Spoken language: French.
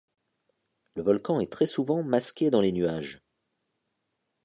Le volcan est très souvent masqué dans les nuages.